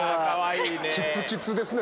キツキツですね。